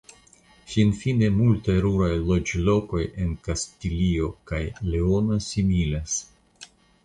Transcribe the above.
Finfine multaj ruraj loĝlokoj en Kastilio kaj Leono similas.